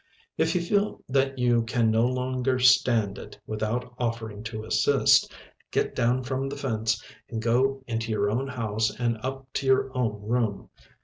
If you feel that you can no longer stand it without offering to assist, get down from the fence and go into your own house and up to your own room.